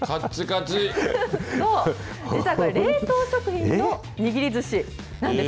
そう、実はこれ、冷凍食品の握りずしなんです。